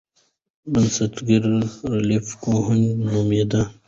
بنسټګر یې رالف کوهن نومیده.